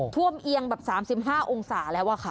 ท่วมเอียงแบบ๓๕องศาแล้วค่ะ